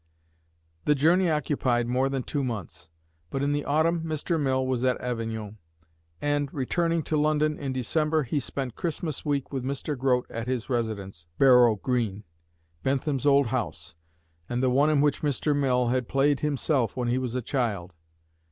The journey occupied more than two months; but in the autumn Mr. Mill was at Avignon; and, returning to London in December, he spent Christmas week with Mr. Grote at his residence, Barrow Green, Bentham's old house, and the one in which Mr. Mill had played himself when he was a child.